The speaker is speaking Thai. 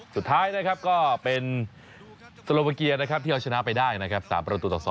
สุดท้ายก็เป็นสโลวิเกียร์ที่เราชนะไปได้๓ประตูต่อ๒